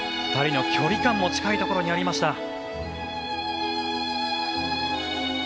２人の距離感も近いところにありました。